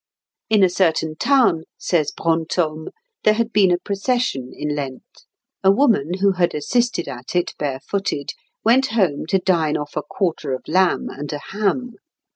"In a certain town," says Brantôme, "there had been a procession in Lent. A woman, who had assisted at it barefooted, went home to dine off a quarter of lamb and a ham.